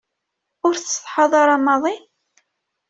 Ur tessetḥaḍ ara maḍi?